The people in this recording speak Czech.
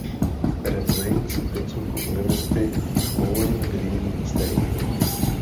Red Wings do celku univerzity Bowling Green State.